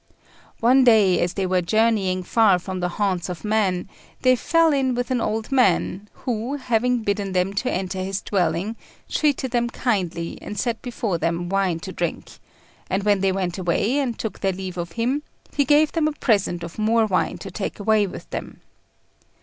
One day as they were journeying far from the haunts of men, they fell in with an old man, who, having bidden them to enter his dwelling, treated them kindly, and set before them wine to drink; and when they went away, and took their leave of him, he gave them a present of more wine to take away with them.